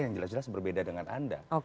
yang jelas jelas berbeda dengan anda